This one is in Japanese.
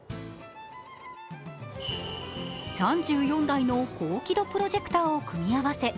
３４台の高輝度プロジェクターを組み合わせ